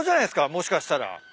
もしかしたら。